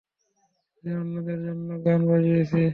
এতদিন অন্যদের জন্য গান বাজিয়েছি।